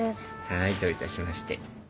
はいどういたしまして。